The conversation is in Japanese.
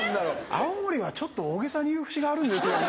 青森はちょっと大げさに言う節があるんですよね。